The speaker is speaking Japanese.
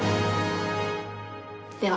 では。